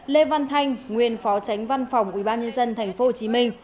lê văn thanh nguyên phó tránh văn phòng ubnd tp hcm